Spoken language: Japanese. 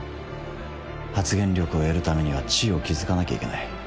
発言力を得るためには地位を築かなきゃいけない。